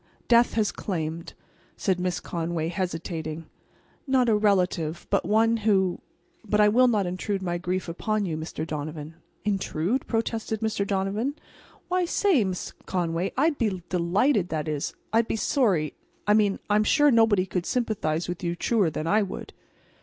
"Death has claimed," said Miss Conway, hesitating—"not a relative, but one who—but I will not intrude my grief upon you, Mr. Donovan." "Intrude?" protested Mr. Donovan. "Why, say, Miss Conway, I'd be delighted, that is, I'd be sorry—I mean I'm sure nobody could sympathize with you truer than I would."